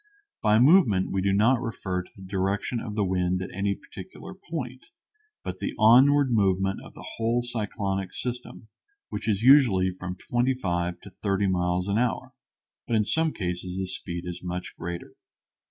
By movement we do not refer to the direction of the wind at any particular point, but the onward movement of the whole cyclonic system, which is usually from twenty five to thirty miles an hour, but in some cases the speed is much greater.